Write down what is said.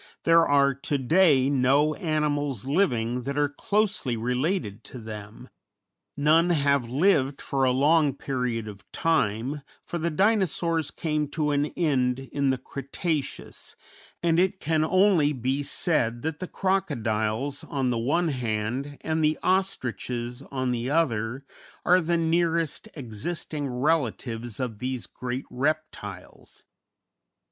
There are to day no animals living that are closely related to them; none have lived for a long period of time, for the Dinosaurs came to an end in the Cretaceous, and it can only be said that the crocodiles, on the one hand, and the ostriches, on the other, are the nearest existing relatives of these great reptiles.